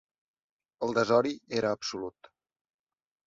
El desori era absolut.